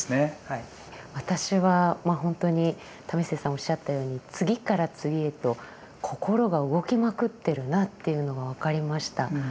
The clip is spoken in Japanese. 私はまあほんとに為末さんおっしゃったように次から次へと心が動きまくってるなっていうのが分かりました。